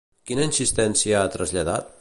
Quina insistència ha traslladat?